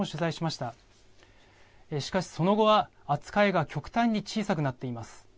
しかしその後は、扱いが極端に小さくなっています。